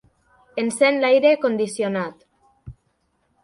Encén l'aire condicionat